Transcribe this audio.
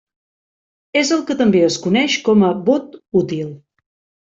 És el que també es coneix com a «vot útil».